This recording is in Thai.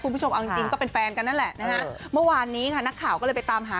คุณผู้ชมเอาจริงจริงก็เป็นแฟนกันนั่นแหละนะฮะเมื่อวานนี้ค่ะนักข่าวก็เลยไปตามหา